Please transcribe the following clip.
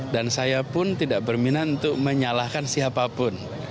dan saya pun tidak berminat untuk menyalahkan siapapun